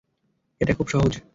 এটা খুব সহজ।